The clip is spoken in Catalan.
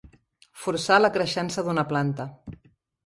Forçar la creixença d'una planta.